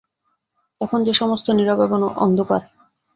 তখন যে সমস্ত নীরব এবং অন্ধকার।